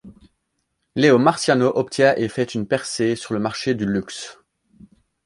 Léo Marciano obtient et fait une percée sur le marché du luxe.